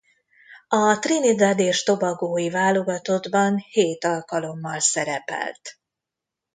A Trinidad és Tobagó-i válogatottban hét alkalommal szerepelt.